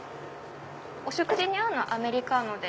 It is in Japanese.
お食事に合うのはアメリカーノで。